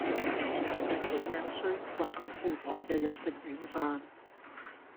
你睇佢幾樣衰，搵個富婆日日食軟飯